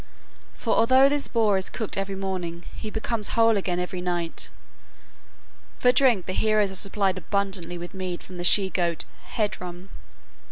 For although this boar is cooked every morning, he becomes whole again every night. For drink the heroes are supplied abundantly with mead from the she goat Heidrum.